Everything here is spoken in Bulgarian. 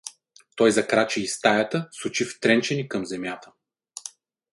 Той закрачи из стаята с очи втренчени към земята.